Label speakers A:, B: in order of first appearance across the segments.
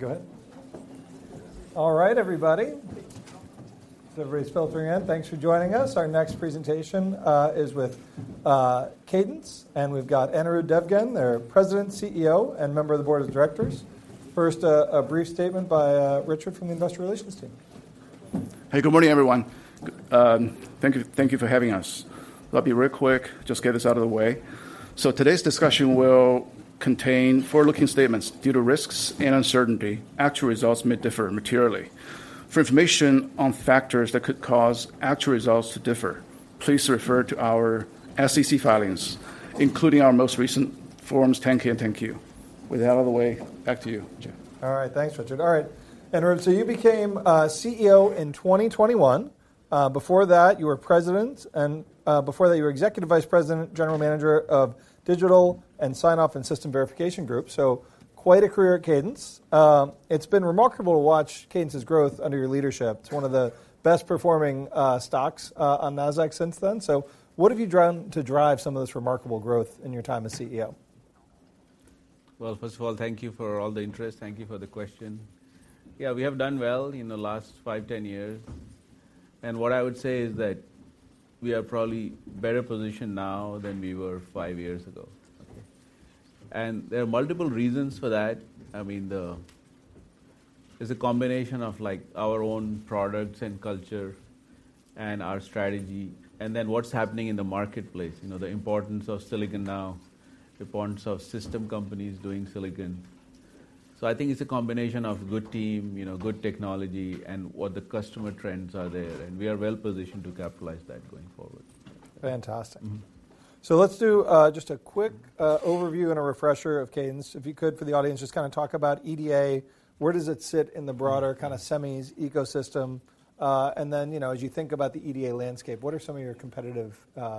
A: Go ahead. All right, everybody. Everybody's filtering in. Thanks for joining us. Our next presentation is with Cadence, and we've got Anirudh Devgan, their President, CEO, and member of the board of directors. First, a brief statement by Richard from the investor relations team.
B: Hey, good morning, everyone. Thank you, thank you for having us. I'll be real quick, just get this out of the way. So today's discussion will contain forward-looking statements. Due to risks and uncertainty, actual results may differ materially. For information on factors that could cause actual results to differ, please refer to our SEC filings, including our most recent Forms 10-K and 10-Q. With that out of the way, back to you, Jim.
A: All right. Thanks, Richard. All right, Anirudh, so you became CEO in 2021. Before that, you were president, and before that, you were Executive Vice President, General Manager of Digital and Sign-Off and System Verification Group. So quite a career at Cadence. It's been remarkable to watch Cadence's growth under your leadership. It's one of the best performing stocks on Nasdaq since then. So what have you done to drive some of this remarkable growth in your time as CEO?
C: Well, first of all, thank you for all the interest. Thank you for the question. Yeah, we have done well in the last 5-10 years, and what I would say is that we are probably better positioned now than we were five years ago. Okay, and there are multiple reasons for that. I mean, it's a combination of, like, our own products and culture and our strategy, and then what's happening in the marketplace. You know, the importance of silicon now, the importance of system companies doing silicon. So I think it's a combination of good team, you know, good technology, and what the customer trends are there, and we are well positioned to capitalize that going forward.
A: Fantastic.
C: Mm-hmm.
A: So let's do just a quick overview and a refresher of Cadence. If you could, for the audience, just kind of talk about EDA. Where does it sit in the broader kind of semis ecosystem? And then, you know, as you think about the EDA landscape, what are some of your competitive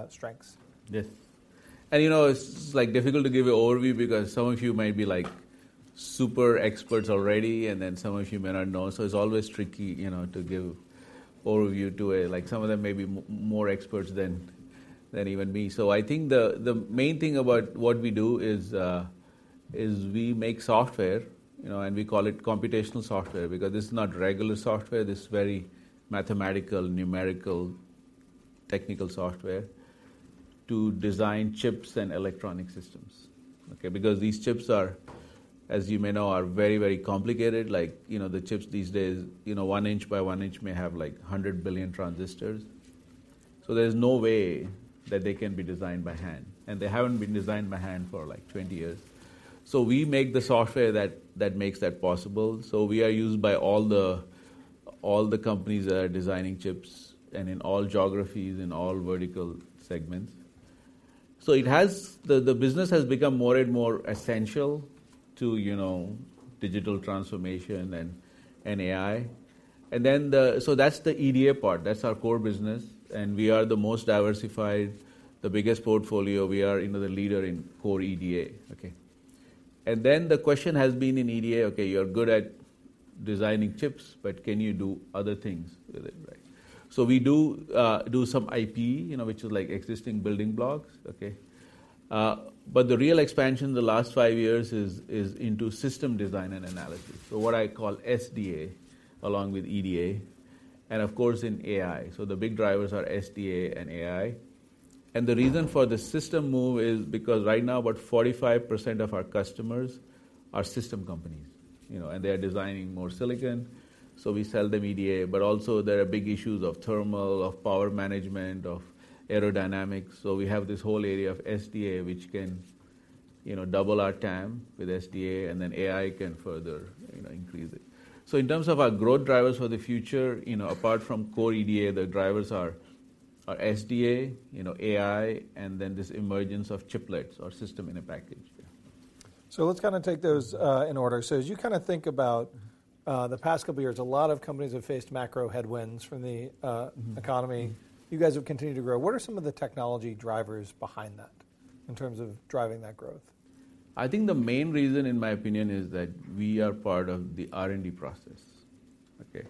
A: strengths?
C: Yes. You know, it's, like, difficult to give an overview because some of you might be, like, super experts already, and then some of you may not know. So it's always tricky, you know, to give overview to it. Like, some of them may be more experts than even me. So I think the main thing about what we do is we make software, you know, and we call it computational software, because this is not regular software. This is very mathematical, numerical, technical software to design chips and electronic systems, okay? Because these chips are, as you may know, very, very complicated. Like, you know, the chips these days, you know, 1 inch by 1 inch may have like 100 billion transistors. So there's no way that they can be designed by hand, and they haven't been designed by hand for, like, 20 years. So we make the software that makes that possible. So we are used by all the companies that are designing chips and in all geographies, in all vertical segments. So it has the business has become more and more essential to, you know, digital transformation and AI. So that's the EDA part. That's our core business, and we are the most diversified, the biggest portfolio. We are, you know, the leader in core EDA, okay? And then the question has been in EDA, okay, you're good at designing chips, but can you do other things with it, right? So we do some IP, you know, which is like existing building blocks, okay? The real expansion in the last five years is into system design and analysis. What I call SDA, along with EDA, and of course, in AI. The big drivers are SDA and AI. The reason for the system move is because right now, about 45% of our customers are system companies, you know, and they are designing more silicon, so we sell them EDA, but also there are big issues of thermal, of power management, of aerodynamics. We have this whole area of SDA, which can, you know, double our TAM with SDA, and then AI can further, you know, increase it. In terms of our growth drivers for the future, you know, apart from core EDA, the drivers are SDA, you know, AI, and then this emergence of chiplets or System-in-Package.
A: Let's kind of take those in order. As you kind of think about the past couple years, a lot of companies have faced macro headwinds from the
C: Mm-hmm.
A: - economy. You guys have continued to grow. What are some of the technology drivers behind that, in terms of driving that growth?
C: I think the main reason, in my opinion, is that we are part of the R&D process, okay?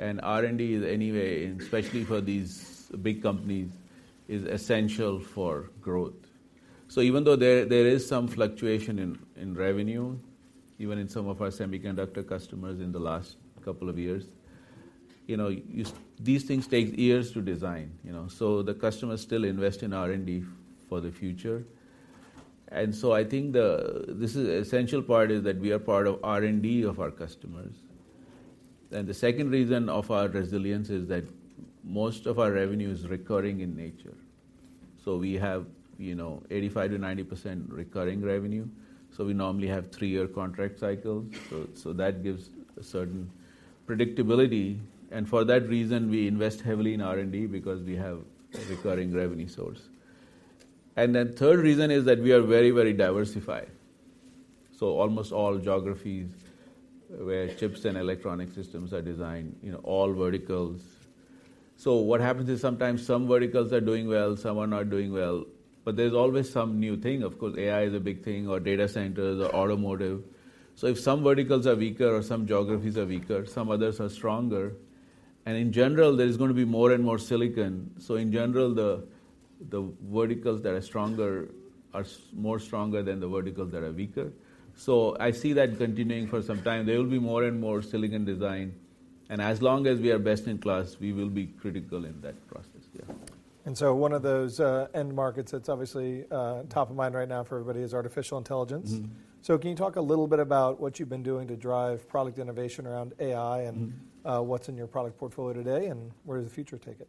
C: R&D is anyway, especially for these big companies, essential for growth. So even though there is some fluctuation in revenue, even in some of our semiconductor customers in the last couple of years, you know, these things take years to design, you know, so the customers still invest in R&D for the future. And so I think the essential part is that we are part of R&D of our customers. Then the second reason of our resilience is that most of our revenue is recurring in nature. So we have, you know, 85%-90% recurring revenue, so we normally have three-year contract cycles, so that gives a certain predictability, and for that reason, we invest heavily in R&D because we have a recurring revenue source. And then third reason is that we are very, very diversified. So almost all geographies where chips and electronic systems are designed, you know, all verticals. So what happens is sometimes some verticals are doing well, some are not doing well, but there's always some new thing. Of course, AI is a big thing, or data centers or automotive. So if some verticals are weaker or some geographies are weaker, some others are stronger. And in general, there is going to be more and more silicon. So in general, the verticals that are stronger are more stronger than the verticals that are weaker. So I see that continuing for some time. There will be more and more silicon design, and as long as we are best in class, we will be critical in that process, yeah.
A: And so one of those end markets that's obviously top of mind right now for everybody is artificial intelligence.
C: Mm.
A: So can you talk a little bit about what you've been doing to drive product innovation around AI?
C: Mm-hmm.
A: What's in your product portfolio today, and where does the future take it?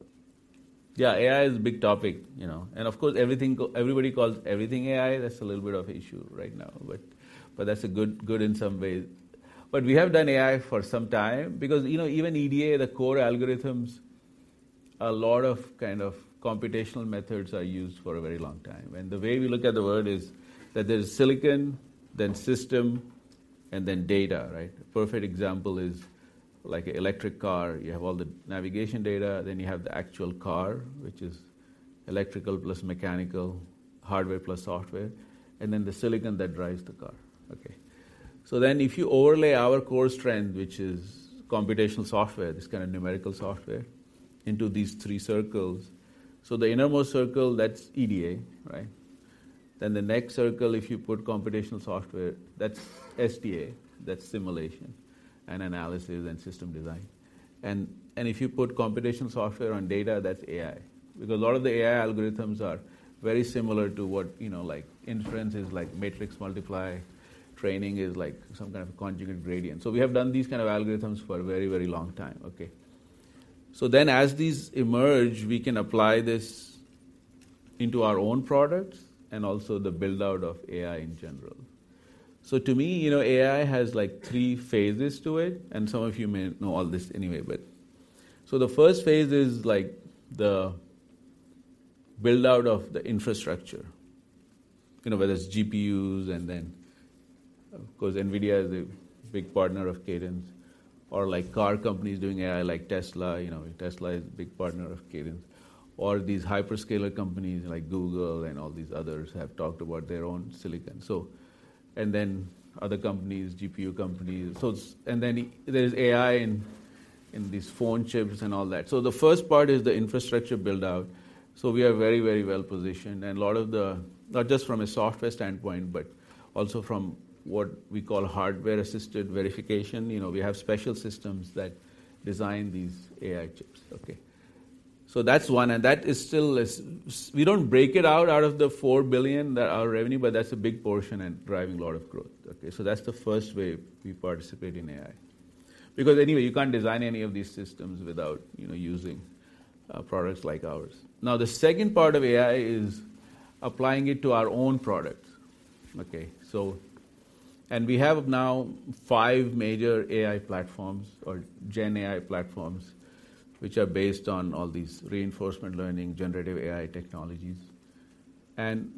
C: Yeah, AI is a big topic, you know, and of course, everything—everybody calls everything AI. That's a little bit of an issue right now, but that's good in some ways. But we have done AI for some time because, you know, even EDA, the core algorithms, a lot of kind of computational methods are used for a very long time. And the way we look at the world is that there's silicon, then system, and then data, right? Perfect example is like electric car. You have all the navigation data, then you have the actual car, which is electrical plus mechanical, hardware plus software, and then the silicon that drives the car. Okay. So then if you overlay our core strength, which is computational software, this kind of numerical software, into these three circles. So the innermost circle, that's EDA, right? Then the next circle, if you put computational software, that's SDA, that's simulation and analysis and system design. And if you put computational software on data, that's AI, because a lot of the AI algorithms are very similar to what, you know, like inference is like matrix multiply, training is like some type of conjugate gradient. So we have done these kind of algorithms for a very, very long time, okay. So then as these emerge, we can apply this into our own products and also the build-out of AI in general. So to me, you know, AI has like three phases to it, and some of you may know all this anyway, but... So the first phase is like the build-out of the infrastructure. You know, whether it's GPUs, and then, of course, NVIDIA is a big partner of Cadence, or like car companies doing AI, like Tesla. You know, Tesla is a big partner of Cadence. Or these hyperscale companies like Google and all these others have talked about their own silicon, so, and then other companies, GPU companies. So and then there's AI in these phone chips and all that. So the first part is the infrastructure build-out. So we are very, very well positioned, and a lot of the- not just from a software standpoint, but also from what we call hardware-assisted verification. You know, we have special systems that design these AI chips, okay. So that's one, and that is still- We don't break it out of the $4 billion that our revenue, but that's a big portion and driving a lot of growth, okay? So that's the first way we participate in AI, because anyway, you can't design any of these systems without, you know, using products like ours. Now, the second part of AI is applying it to our own products, okay? So, and we have now five major AI platforms or GenAI platforms, which are based on all these reinforcement learning, generative AI technologies. And,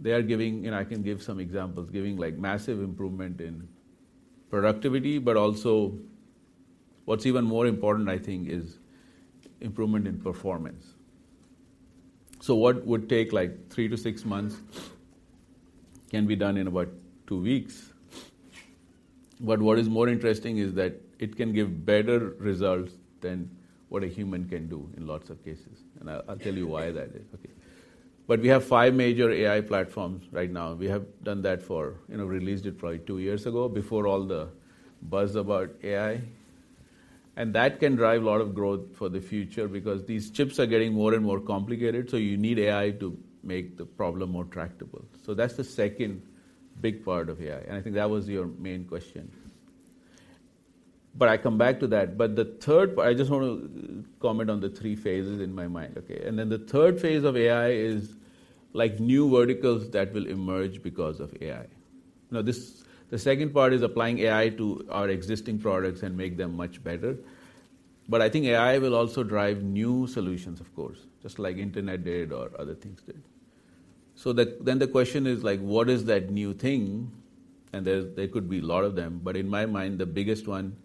C: they are giving... You know, I can give some examples, giving, like, massive improvement in productivity, but also what's even more important, I think, is improvement in performance. So what would take, like, three to six months, can be done in about two weeks. But what is more interesting is that it can give better results than what a human can do in lots of cases, and I'll tell you why that is, okay. But we have five major AI platforms right now. We have done that for, you know, released it probably two years ago, before all the buzz about AI. And that can drive a lot of growth for the future because these chips are getting more and more complicated, so you need AI to make the problem more tractable. So that's the second big part of AI, and I think that was your main question. But I come back to that. But the third part. I just want to comment on the three phases in my mind, okay? And then the third phase of AI is like new verticals that will emerge because of AI. Now, this, the second part is applying AI to our existing products, and make them much better. But I think AI will also drive new solutions, of course, just like internet did or other things did. So then the question is like, what is that new thing? And there could be a lot of them, but in my mind, the biggest one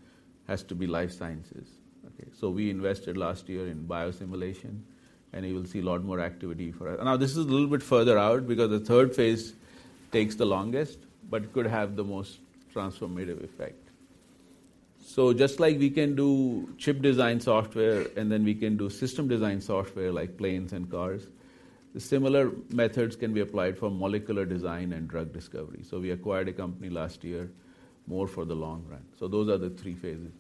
C: has to be life sciences, okay. So we invested last year in biosimulation, and you will see a lot more activity for it. Now, this is a little bit further out because the third phase takes the longest, but could have the most transformative effect. So just like we can do chip design software, and then we can do system design software, like planes and cars, the similar methods can be applied for molecular design, and drug discovery. So we acquired a company last year, more for the long run. So those are the three phases.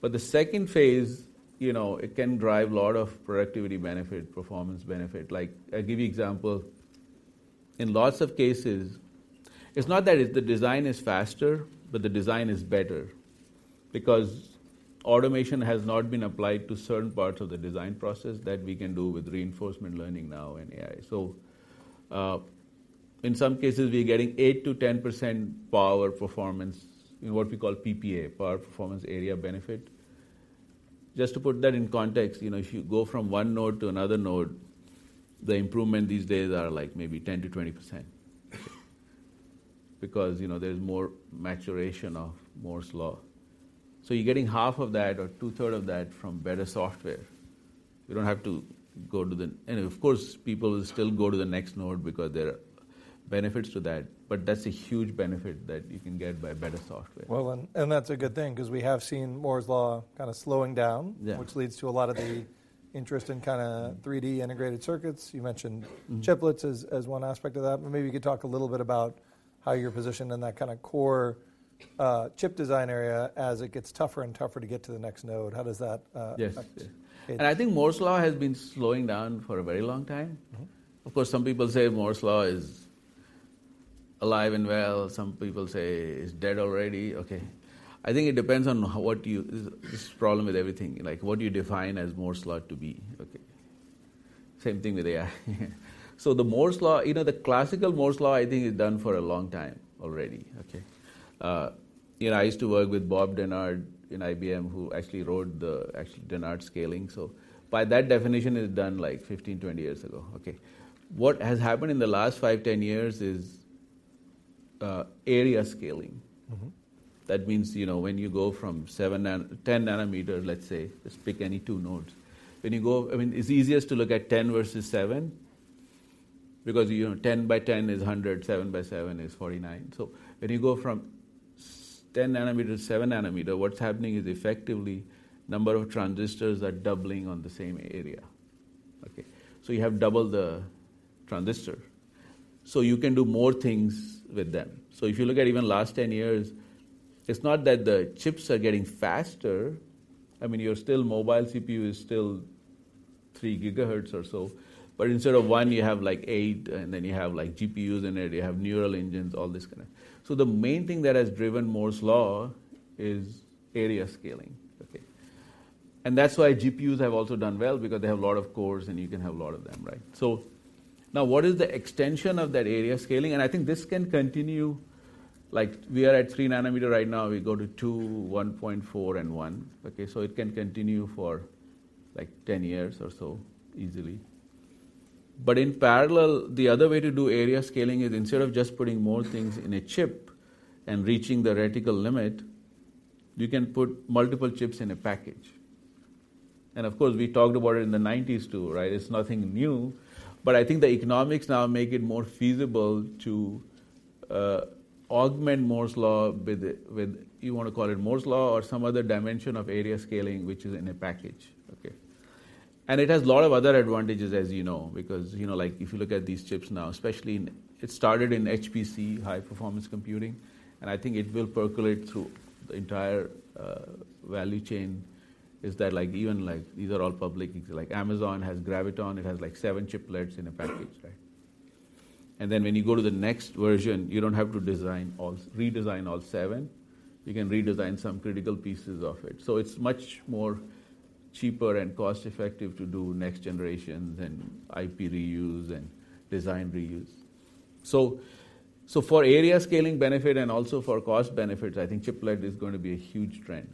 C: But the second phase, you know, it can drive a lot of productivity benefit, performance benefit. Like, I'll give you example. In lots of cases, it's not that it's the design is faster, but the design is better because automation has not been applied to certain parts of the design process that we can do with reinforcement learning now in AI. So, in some cases, we're getting 8%-10% power performance in what we call PPA, Power Performance Area benefit. Just to put that in context, you know, if you go from one node to another node, the improvement these days are like maybe 10%-20%. Because, you know, there's more maturation of Moore's Law. So you're getting half of that or two-thirds of that from better software.... You don't have to go to the And of course, people will still go to the next node because there are benefits to that, but that's a huge benefit that you can get by better software.
A: Well, and that's a good thing 'cause we have seen Moore's Law kinda slowing down-
C: Yeah.
A: which leads to a lot of the interest in kinda 3D integrated circuits. You mentioned.
C: Mm-hmm.
A: chiplets as one aspect of that. Maybe you could talk a little bit about how you're positioned in that kinda core chip design area as it gets tougher and tougher to get to the next node. How does that affect-
C: Yes.
A: -Cadence?
C: I think Moore's Law has been slowing down for a very long time.
A: Mm-hmm.
C: Of course, some people say Moore's Law is alive and well. Some people say it's dead already. Okay. I think it depends on what you... This is problem with everything, like, what you define as Moore's Law to be, okay? Same thing with AI. So the Moore's Law, you know, the classical Moore's Law, I think, is done for a long time already, okay? You know, I used to work with Bob Dennard in IBM, who actually wrote the Dennard scaling. So by that definition, it's done like 15-20 years ago, okay. What has happened in the last 5-10 years is area scaling.
A: Mm-hmm.
C: That means, you know, when you go from 10 nanometer, let's say, just pick any two nodes. When you go—I mean, it's easiest to look at 10 versus 7 because, you know, 10 by 10 is 100, 7 by 7 is 49. So when you go from 10 nanometer to 7 nanometer, what's happening is effectively, number of transistors are doubling on the same area. Okay, so you have double the transistor, so you can do more things with them. So if you look at even last 10 years, it's not that the chips are getting faster. I mean, your typical mobile CPU is still 3 GHz or so, but instead of 1, you have, like, 8, and then you have, like, GPUs in it, you have neural engines, all this kind of... So the main thing that has driven Moore's Law is area scaling, okay? That's why GPUs have also done well, because they have a lot of cores, and you can have a lot of them, right? Now, what is the extension of that area scaling? I think this can continue, like we are at 3-nanometer right now. We go to 2, 1.4, and 1, okay? It can continue for, like, 10 years or so, easily. In parallel, the other way to do area scaling is, instead of just putting more things in a chip and reaching the reticle limit, you can put multiple chips in a package. Of course, we talked about it in the 1990s, too, right? It's nothing new, but I think the economics now make it more feasible to augment Moore's Law with a, with you wanna call it Moore's Law or some other dimension of area scaling, which is in a package, okay. And it has a lot of other advantages, as you know, because, you know, like if you look at these chips now, especially in it started in HPC, high-performance computing, and I think it will percolate through the entire value chain. Is that like, even, like, these are all public, like Amazon has Graviton, it has, like, seven chiplets in a package, right? And then when you go to the next version, you don't have to design all redesign all seven. You can redesign some critical pieces of it. So it's much more cheaper and cost-effective to do next generation than IP reuse and design reuse. So, so for area scaling benefit and also for cost benefits, I think chiplet is gonna be a huge trend,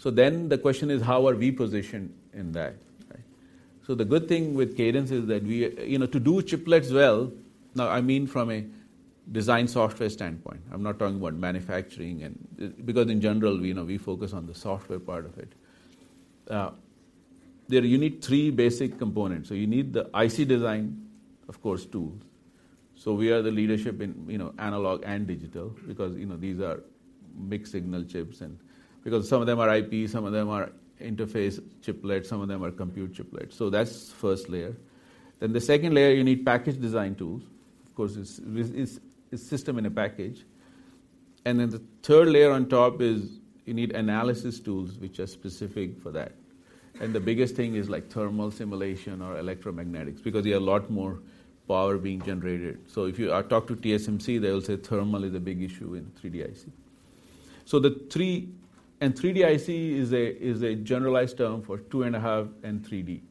C: okay. So then the question is: How are we positioned in that, right? So the good thing with Cadence is that we, you know, to do chiplets well. Now, I mean, from a design software standpoint, I'm not talking about manufacturing and. Because in general, we know, we focus on the software part of it. There you need three basic components. So you need the IC design, of course, tools. So we are the leadership in, you know, analog and digital because, you know, these are mixed signal chips and because some of them are IP, some of them are interface chiplets, some of them are compute chiplets. So that's first layer. Then the second layer, you need package design tools. Of course, it's system in a package. And then the third layer on top is you need analysis tools which are specific for that. And the biggest thing is, like, thermal simulation or electromagnetics, because you have a lot more power being generated. So if you talk to TSMC, they'll say thermal is a big issue in 3D IC. So the 3D—and 3D IC is a generalized term for 2.5D and 3D.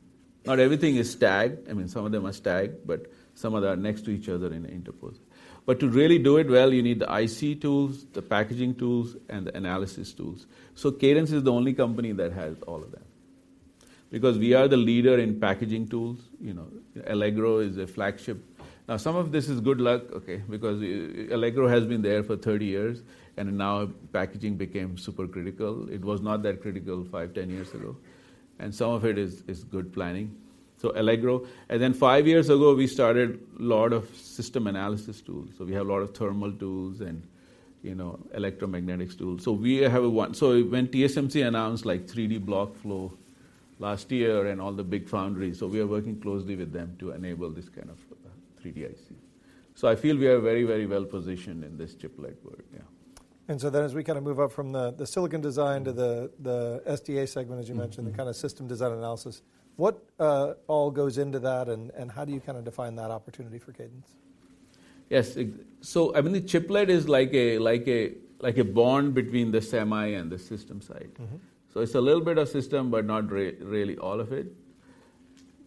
C: Not everything is stacked. I mean, some of them are stacked, but some of them are next to each other in interposer. But to really do it well, you need the IC tools, the packaging tools, and the analysis tools. So Cadence is the only company that has all of them because we are the leader in packaging tools. You know, Allegro is a flagship. Now, some of this is good luck, okay, because Allegro has been there for 30 years, and now packaging became super critical. It was not that critical 5, 10 years ago, and some of it is, is good planning. So Allegro- And then 5 years ago, we started a lot of system analysis tools. So we have a lot of thermal tools and, you know, electromagnetics tools. So we have a one- So when TSMC announced, like, 3Dblox flow last year and all the big foundries, so we are working closely with them to enable this kind of, 3D IC. So I feel we are very, very well positioned in this chiplet work. Yeah.
A: And so then as we kinda move up from the silicon design to the SDA segment, as you mentioned-
C: Mm-hmm.
A: The kind of system design analysis, what all goes into that, and how do you kind of define that opportunity for Cadence?
C: Yes, so, I mean, the chiplet is like a bond between the semi and the system side.
A: Mm-hmm.
C: So it's a little bit of system, but not really all of it.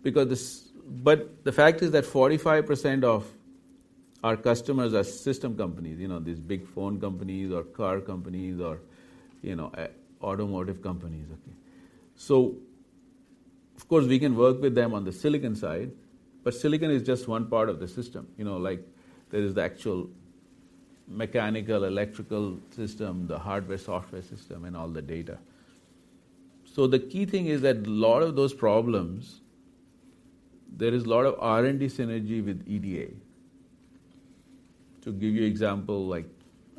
C: But the fact is that 45% of our customers are system companies, you know, these big phone companies or car companies or, you know, automotive companies. So of course, we can work with them on the silicon side, but silicon is just one part of the system. You know, like, there is the actual mechanical, electrical system, the hardware, software system, and all the data. So the key thing is that a lot of those problems, there is a lot of R&D synergy with EDA. To give you example, like,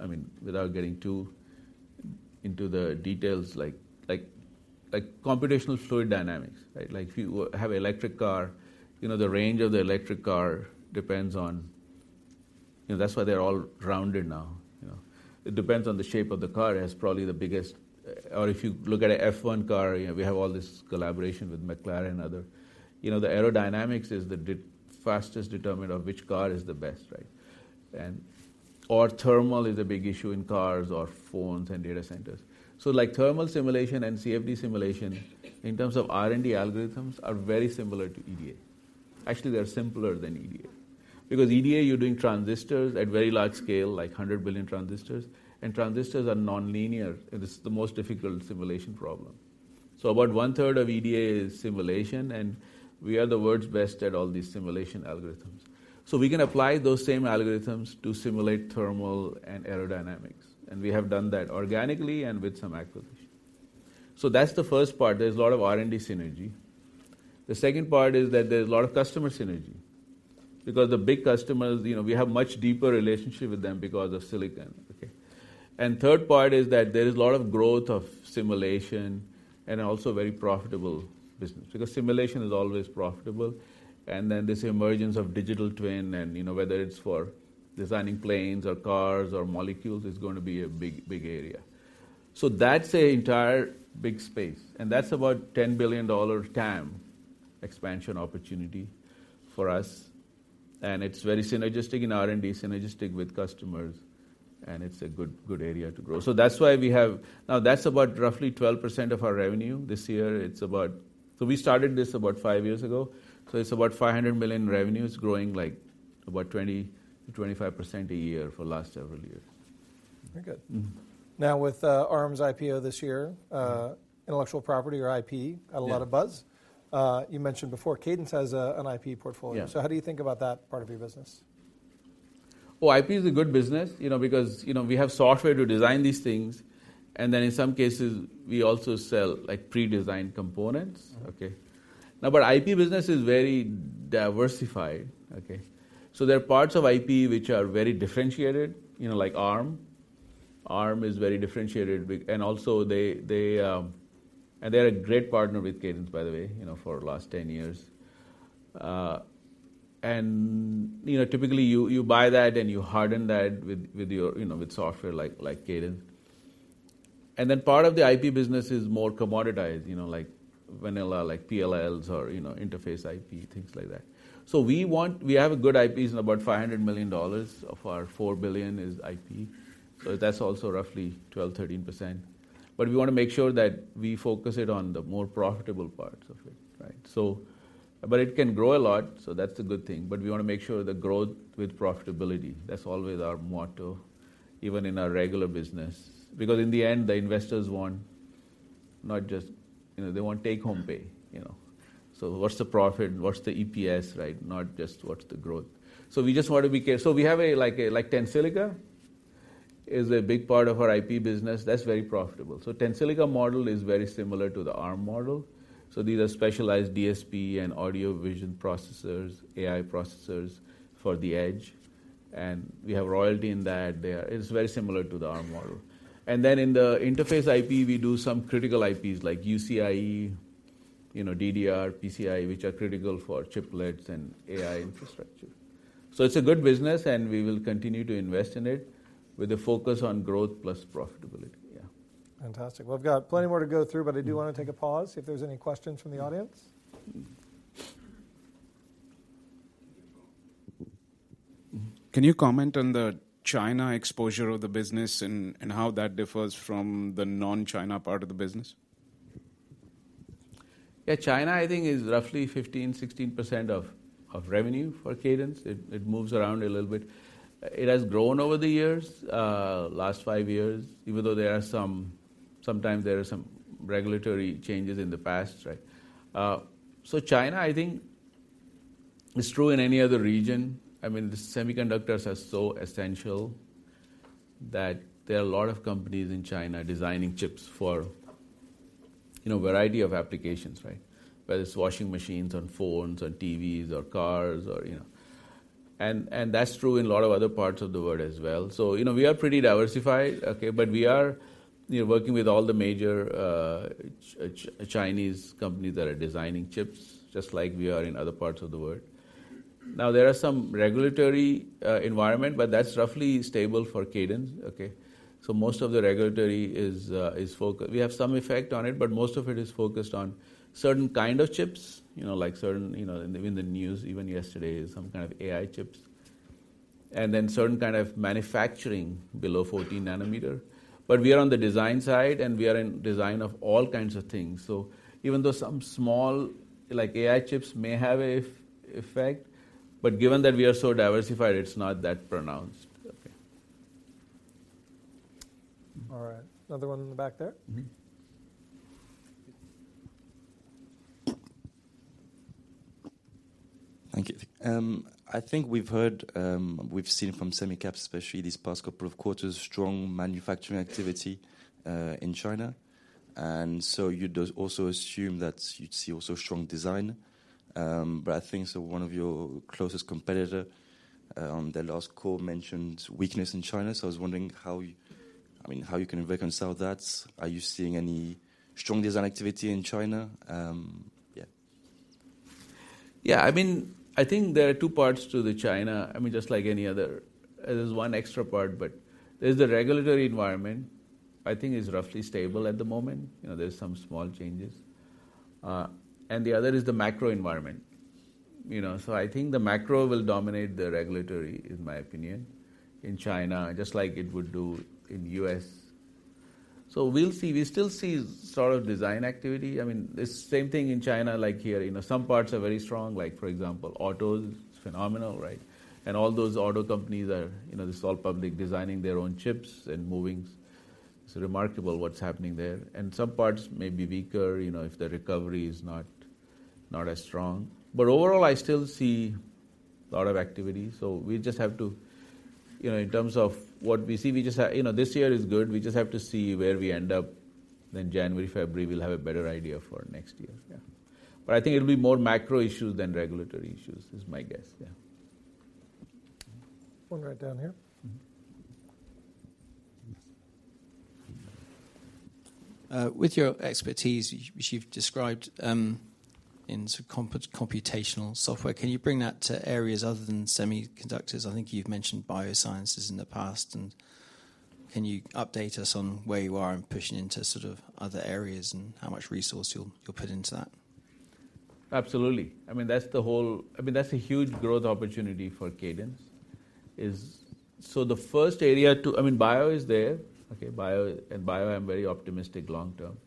C: I mean, without getting too into the details, like, like, like computational fluid dynamics, right? Like, if you have electric car, you know, the range of the electric car depends on. You know, that's why they're all rounded now, you know. It depends on the shape of the car, it has probably the biggest... Or if you look at a F1 car, you know, we have all this collaboration with McLaren and other. You know, the aerodynamics is the damn fastest determinant of which car is the best, right? And or thermal is a big issue in cars or phones and data centers. So like thermal simulation and CFD simulation, in terms of R&D algorithms, are very similar to EDA. Actually, they are simpler than EDA. Because EDA, you're doing transistors at very large scale, like 100 billion transistors, and transistors are non-linear, and it's the most difficult simulation problem. So about one-third of EDA is simulation, and we are the world's best at all these simulation algorithms. So we can apply those same algorithms to simulate thermal and aerodynamics, and we have done that organically and with some acquisition. So that's the first part. There's a lot of R&D synergy. The second part is that there's a lot of customer synergy, because the big customers, you know, we have much deeper relationship with them because of silicon. Okay? And third part is that there is a lot of growth of simulation and also very profitable business, because simulation is always profitable. And then this emergence of digital twin, and, you know, whether it's for designing planes or cars or molecules, is gonna be a big, big area. So that's an entire big space, and that's about $10 billion TAM expansion opportunity for us, and it's very synergistic in R&D, synergistic with customers, and it's a good, good area to grow. So that's why we have. Now, that's about roughly 12% of our revenue. This year, it's about... So we started this about 5 years ago, so it's about $500 million revenues, growing, like, about 20%-25% a year for last several years.
A: Very good.
C: Mm-hmm.
A: Now, with Arm's IPO this year-
C: Uh.
A: intellectual property or IP
C: Yeah.
A: got a lot of buzz. You mentioned before, Cadence has a, an IP portfolio.
C: Yeah.
A: How do you think about that part of your business?
C: Well, IP is a good business, you know, because, you know, we have software to design these things, and then in some cases, we also sell, like, pre-designed components.
A: Uh.
C: Okay. Now, but IP business is very diversified, okay? So there are parts of IP which are very differentiated, you know, like Arm. Arm is very differentiated and also they, they, and they're a great partner with Cadence, by the way, you know, for the last 10 years. And, you know, typically, you, you buy that, and you harden that with, with your, you know, with software like, like Cadence. And then part of the IP business is more commoditized, you know, like vanilla, like PLLs or, you know, interface IP, things like that. So we have good IPs in about $500 million. Of our $4 billion is IP, so that's also roughly 12%-13%. But we wanna make sure that we focus it on the more profitable parts of it, right? So... But it can grow a lot, so that's a good thing. But we wanna make sure the growth with profitability. That's always our motto, even in our regular business. Because in the end, the investors want not just, you know, they want take-home pay, you know. So what's the profit? What's the EPS, right? Not just what's the growth. So we just want to be careful. So we have, like, Tensilica is a big part of our IP business. That's very profitable. So Tensilica model is very similar to the Arm model. So these are specialized DSP and audio/vision processors, AI processors for the edge, and we have royalty in that. It's very similar to the Arm model. And then in the interface IP, we do some critical IPs like UCIe, you know, DDR, PCIe, which are critical for chiplets and AI infrastructure. It's a good business, and we will continue to invest in it with a focus on growth plus profitability. Yeah.
A: Fantastic. Well, we've got plenty more to go through-
C: Mm.
A: I do wanna take a pause, see if there's any questions from the audience.
C: Mm.
D: Can you comment on the China exposure of the business and how that differs from the non-China part of the business?
C: Yeah, China, I think, is roughly 15%-16% of revenue for Cadence. It moves around a little bit. It has grown over the years, last five years, even though there are sometimes some regulatory changes in the past, right? So China, I think it's true in any other region. I mean, the semiconductors are so essential that there are a lot of companies in China designing chips for, you know, a variety of applications, right? Whether it's washing machines or phones or TVs or cars or, you know. And that's true in a lot of other parts of the world as well. So, you know, we are pretty diversified, okay? But we are, you know, working with all the major Chinese companies that are designing chips, just like we are in other parts of the world. Now, there are some regulatory environment, but that's roughly stable for Cadence, okay? So most of the regulatory is focused. We have some effect on it, but most of it is focused on certain kind of chips. You know, like certain, you know, in, in the news, even yesterday, some kind of AI chips, and then certain kind of manufacturing below 14 nanometer. But we are on the design side, and we are in design of all kinds of things. So even though some small, like AI chips, may have a effect, but given that we are so diversified, it's not that pronounced. Okay.
A: All right. Another one in the back there.
C: Mm-hmm....
E: Thank you. I think we've heard, we've seen from semicaps, especially these past couple of quarters, strong manufacturing activity in China. And so you does also assume that you'd see also strong design. But I think so one of your closest competitor on their last call mentioned weakness in China. So I was wondering how, I mean, how you can reconcile that. Are you seeing any strong design activity in China? Yeah.
C: Yeah, I mean, I think there are two parts to the China. I mean, just like any other. There's one extra part, but there's the regulatory environment, I think is roughly stable at the moment, you know, there's some small changes. And the other is the macro environment. You know, so I think the macro will dominate the regulatory, in my opinion, in China, just like it would do in U.S. So we'll see. We still see sort of design activity. I mean, it's same thing in China like here. You know, some parts are very strong. Like, for example, autos, it's phenomenal, right? And all those auto companies are, you know, it's all public, designing their own chips and moving. It's remarkable what's happening there. And some parts may be weaker, you know, if the recovery is not, not as strong. But overall, I still see a lot of activity, so we just have to, you know, in terms of what we see, we just have—you know, this year is good. We just have to see where we end up, then January, February, we'll have a better idea for next year. Yeah. But I think it'll be more macro issues than regulatory issues, is my guess. Yeah.
A: One right down here.
C: Mm-hmm.
F: With your expertise, which you've described, in computational software, can you bring that to areas other than semiconductors? I think you've mentioned biosciences in the past, and can you update us on where you are in pushing into sort of other areas and how much resource you'll put into that?
C: Absolutely. I mean, that's the whole. I mean, that's a huge growth opportunity for Cadence. So the first area. I mean, bio is there. Okay, bio, and bio, I'm very optimistic long term,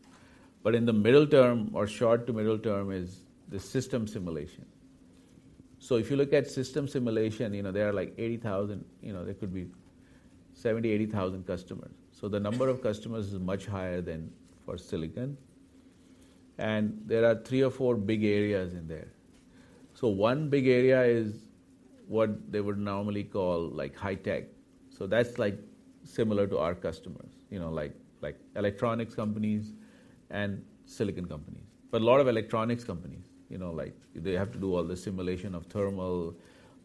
C: but in the middle term or short to middle term is the system simulation. So if you look at system simulation, you know, there are like 80,000, you know, there could be 70,000-80,000 customers. So the number of customers is much higher than for silicon, and there are three or four big areas in there. So one big area is what they would normally call like high tech. So that's like similar to our customers, you know, like, like electronics companies and silicon companies. But a lot of electronics companies, you know, like they have to do all the simulation of thermal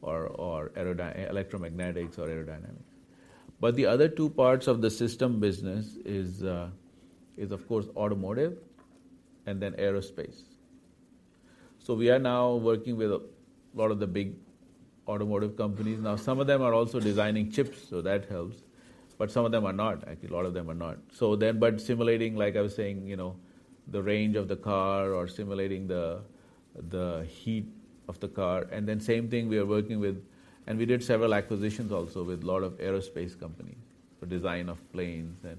C: or aerodynamics, electromagnetics, or aerodynamics. But the other two parts of the system business is of course automotive, and then aerospace. So we are now working with a lot of the big automotive companies. Now, some of them are also designing chips, so that helps, but some of them are not. Actually, a lot of them are not. So then but simulating, like I was saying, you know, the range of the car or simulating the heat of the car, and then the same thing we are working with. And we did several acquisitions also with a lot of aerospace companies, for design of planes and...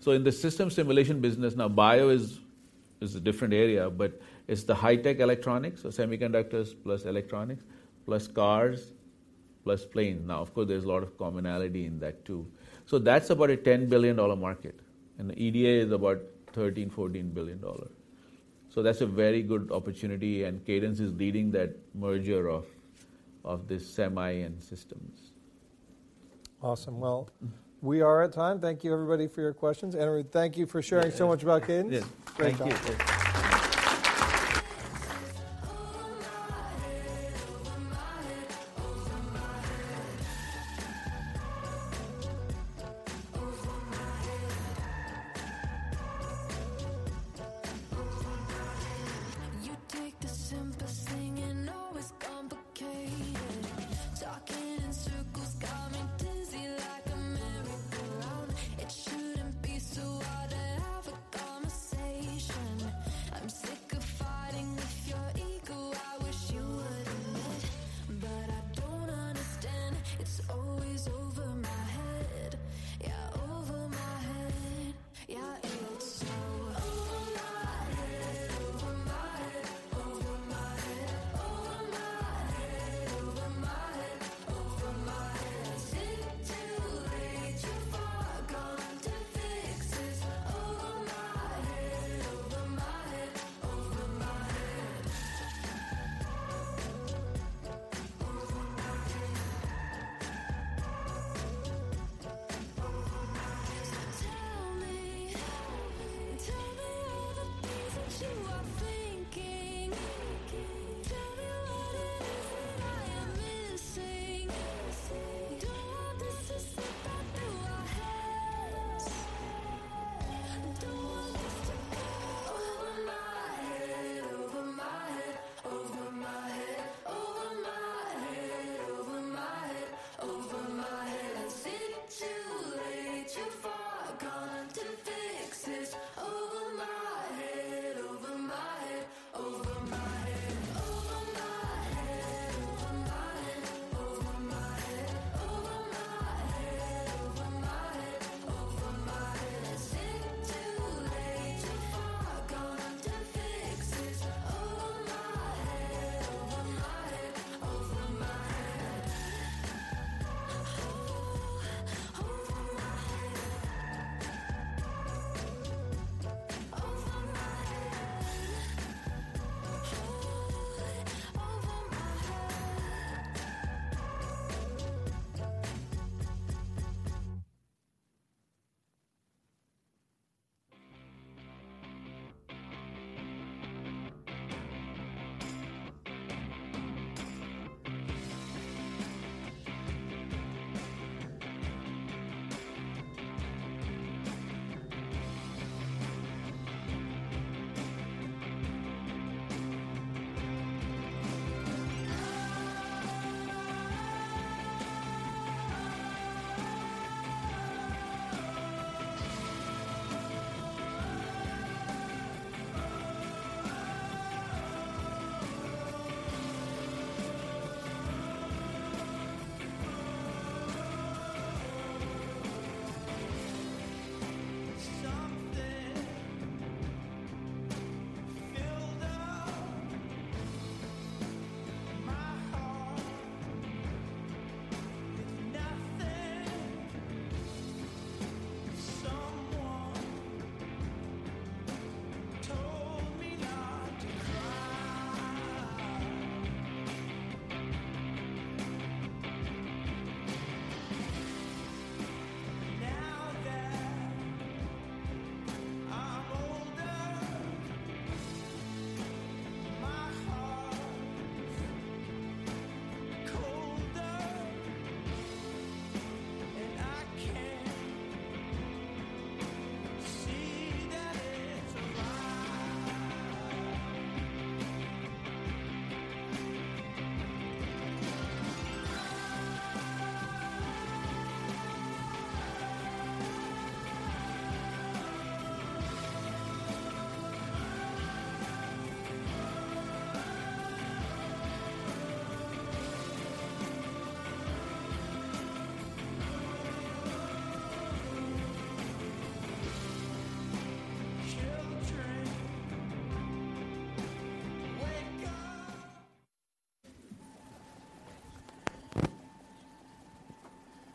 C: So in the system simulation business, now, but it is a different area, but it's the high tech electronics, so semiconductors plus electronics, plus cars, plus planes. Now, of course, there's a lot of commonality in that, too. So that's about a $10 billion market, and the EDA is about $13 billion-$14 billion. So that's a very good opportunity, and Cadence is leading that merger of this semi and systems.
A: Awesome. Well, we are at time. Thank you, everybody, for your questions. Anirudh, thank you for sharing so much about Cadence.
C: Yes. Thank you.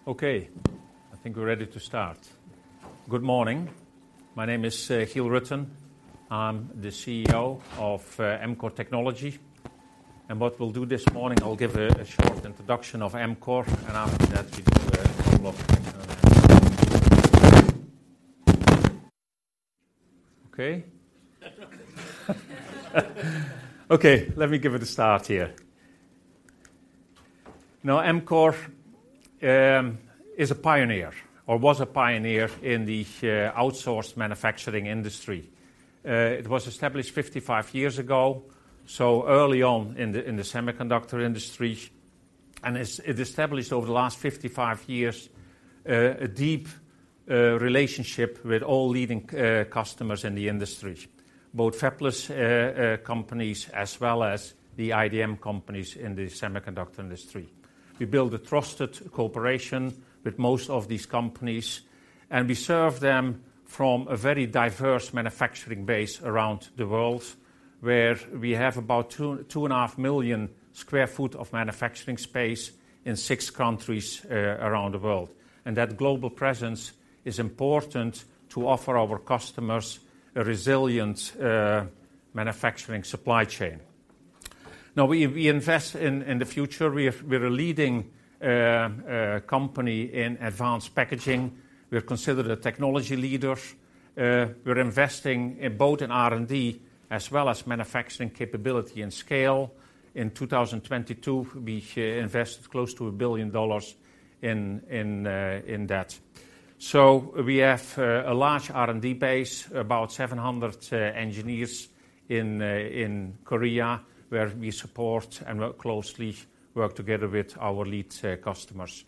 G: Okay, I think we're ready to start. Good morning. My name is Giel Rutten. I'm the CEO of Amkor Technology. And what we'll do this morning, I'll give a short introduction of Amkor, and after that, we do a couple of... Now, Amkor is a pioneer or was a pioneer in the outsourced manufacturing industry. It was established 55 years ago, so early on in the semiconductor industry, and it established over the last 55 years a deep relationship with all leading customers in the industry, both fabless companies as well as the IDM companies in the semiconductor industry. We build a trusted cooperation with most of these companies, and we serve them from a very diverse manufacturing base around the world, where we have about 2-2.5 million sq ft of manufacturing space in six countries around the world. That global presence is important to offer our customers a resilient manufacturing supply chain. Now, we invest in the future. We are a leading company in advanced packaging. We're considered a technology leader. We're investing in both R&D as well as manufacturing capability and scale. In 2022, we invested close to $1 billion in that. So we have a large R&D base, about 700 engineers in Korea, where we support and work closely together with our lead customers.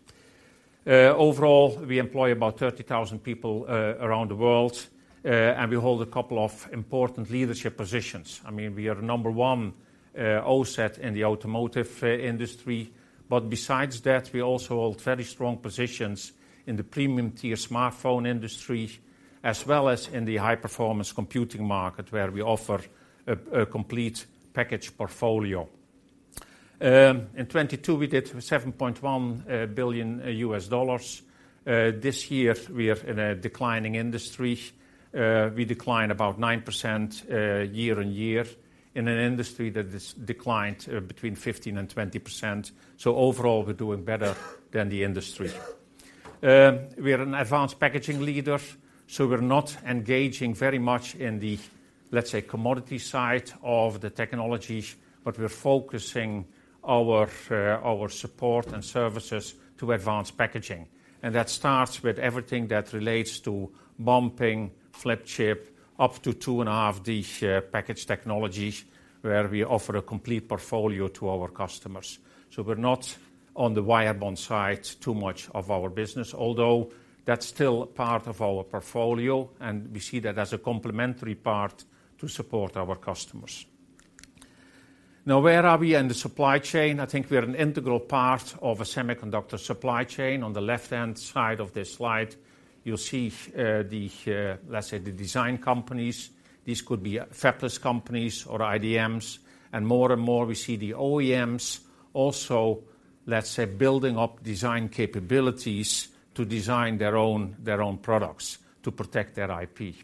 G: Overall, we employ about 30,000 people around the world, and we hold a couple of important leadership positions. I mean, we are number one OSAT in the automotive industry. But besides that, we also hold very strong positions in the premium-tier smartphone industry, as well as in the high-performance computing market, where we offer a complete package portfolio. In 2022, we did $7.1 billion. This year, we are in a declining industry. We declined about 9% year-on-year in an industry that is declined between 15%-20%. So overall, we're doing better than the industry. We are an advanced packaging leader, so we're not engaging very much in the, let's say, commodity side of the technologies, but we're focusing our our support and services to advanced packaging, and that starts with everything that relates to bumping, flip chip, up to 2.5D package technologies, where we offer a complete portfolio to our customers. So we're not on the wire bond side, too much of our business, although that's still part of our portfolio, and we see that as a complementary part to support our customers. Now, where are we in the supply chain? I think we are an integral part of a semiconductor supply chain. On the left-hand side of this slide, you'll see the, let's say, the design companies. These could be, fabless companies or IDMs, and more and more, we see the OEMs also, let's say, building up design capabilities to design their own, their own products to protect their IP.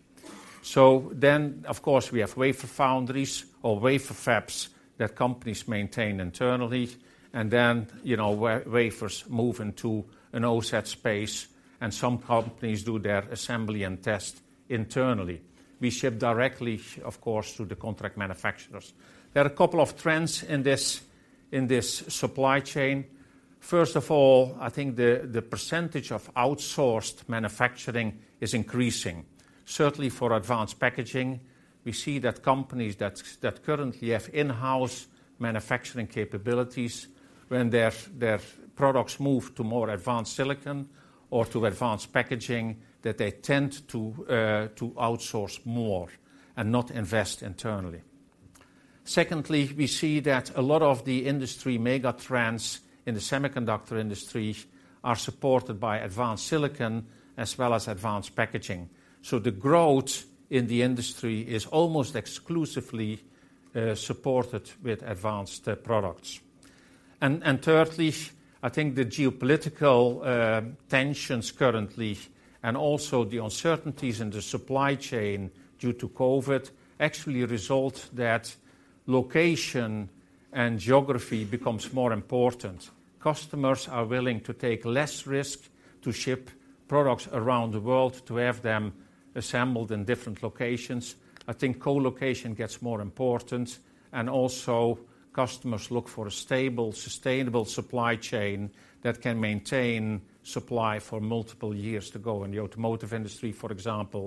G: So then, of course, we have wafer foundries or wafer fabs that companies maintain internally, and then, you know, wafers move into an OSAT space, and some companies do their assembly and test internally. We ship directly, of course, to the contract manufacturers. There are a couple of trends in this, in this supply chain. First of all, I think the percentage of outsourced manufacturing is increasing. Certainly for advanced packaging, we see that companies that currently have in-house manufacturing capabilities, when their products move to more advanced silicon or to advanced packaging, that they tend to outsource more and not invest internally. Secondly, we see that a lot of the industry mega trends in the semiconductor industry are supported by advanced silicon as well as advanced packaging. So the growth in the industry is almost exclusively supported with advanced products. And, thirdly, I think the geopolitical tensions currently, and also the uncertainties in the supply chain due to COVID, actually result that location and geography becomes more important. Customers are willing to take less risk to ship products around the world, to have them assembled in different locations. I think co-location gets more important, and also customers look for a stable, sustainable supply chain that can maintain supply for multiple years to go. In the automotive industry, for example-